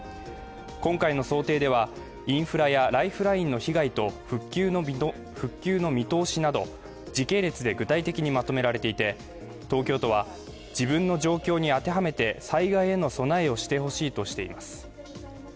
今回の想定ではインフラやライフラインの被害と復旧の見通しなど、時系列で具体的にまとめられていて、東京都は自分の状況に当てはめて災害への備えをしてほしいとしています。